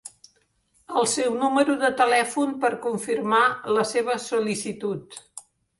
El seu número de telèfon per confirmar la seva sol·licitud.